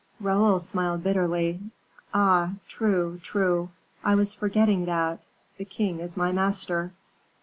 Raoul smiled bitterly. "Ah! true, true; I was forgetting that; the king is my master."